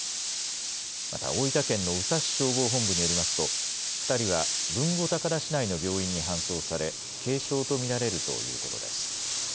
また大分県の宇佐市消防本部によりますと２人は豊後高田市内の病院に搬送され軽傷と見られるということです。